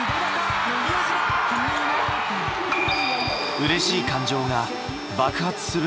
うれしい感情が爆発する時。